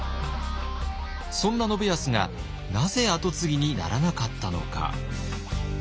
そんな信康がなぜ跡継ぎにならなかったのか。